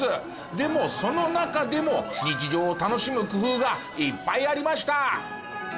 でもその中でも日常を楽しむ工夫がいっぱいありました。